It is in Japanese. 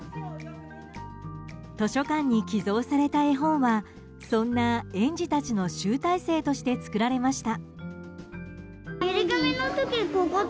図書館に寄贈された絵本はそんな園児たちの集大成として作られました。